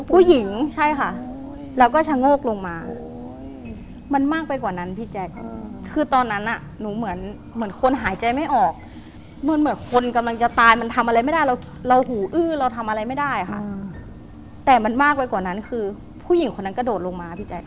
ผู้หญิงใช่ค่ะแล้วก็ชะโงกลงมามันมากไปกว่านั้นพี่แจ๊คคือตอนนั้นอ่ะหนูเหมือนเหมือนคนหายใจไม่ออกเหมือนคนกำลังจะตายมันทำอะไรไม่ได้เราหูอื้อเราทำอะไรไม่ได้ค่ะแต่มันมากไปกว่านั้นคือผู้หญิงคนนั้นกระโดดลงมาพี่แจ๊ค